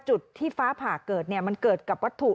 จุดที่ฟ้าผ่าเกิดมันเกิดกับวัตถุ